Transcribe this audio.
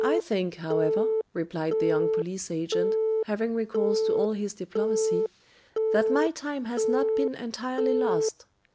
"I think, however," replied the young police agent, having recourse to all his diplomacy, "that my time has not been entirely lost.